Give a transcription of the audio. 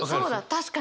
確かに。